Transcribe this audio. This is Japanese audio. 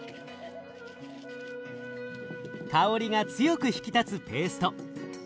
香りが強く引き立つペースト。